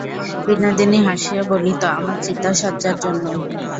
বিনোদিনী হাসিয়া বলিত, আমার চিতাশয্যার জন্য।